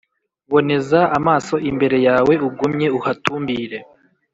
boneza amaso imbere yawe, ugumye uhatumbire